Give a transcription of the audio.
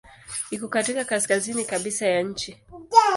Iko katika kaskazini kabisa ya nchi.